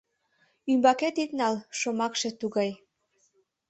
— Ӱмбакет ит нал — шомакше тугай.